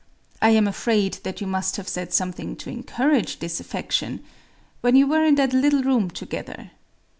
I am afraid that you must have said something to encourage this affection—when you were in that little room together.